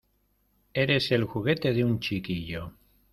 ¡ Eres el juguete de un chiquillo!